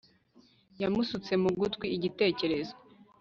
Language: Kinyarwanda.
yamusutse mu gutwi, igitekerezo